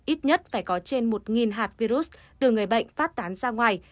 ít nhất phải có trên một hạt virus từ người bệnh phát tán ra ngoài